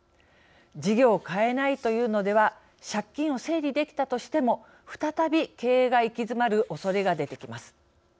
事業を変えないというのでは借金を整理できたとしても再び経営が行き詰まるおそれが出てきます。